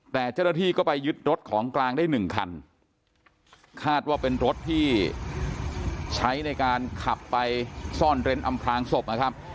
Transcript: แต่เจ้าหน้าที่ก็ไปยึดรถของกลางได้หนึ่งคันคาดว่าเป็นรถที่ใช้ในการขับไปซ่อนเร้นอำพลางศพนะครับ